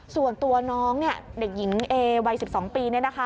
ส่วนตัวน้องเด็กหญิงเอวัย๑๒ปี